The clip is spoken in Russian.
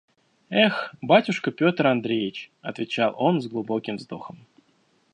– Эх, батюшка Петр Андреич! – отвечал он с глубоким вздохом.